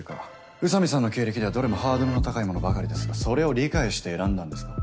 宇佐美さんの経歴ではどれもハードルの高いものばかりですがそれを理解して選んだんですか？